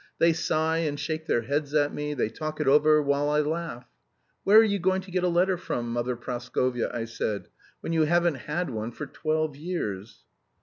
They sigh, and shake their heads at me, they talk it over while I laugh. 'Where are you going to get a letter from, Mother Praskovya,' I say, 'when you haven't had one for twelve years?'